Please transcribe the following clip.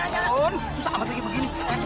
susah amat lagi begini